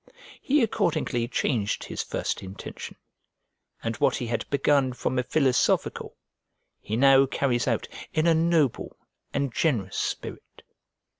He accordingly changed his first intention, and what he had begun from a philosophical, he now carries out in a noble and generous spirit.